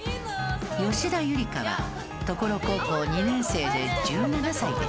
吉田夕梨花は常呂高校２年生で１７歳でした。